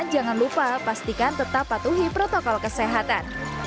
jangan lupa pastikan tetap patuhi protokol kesehatan